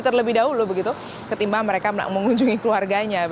terlebih dahulu begitu ketimbang mereka mengunjungi keluarganya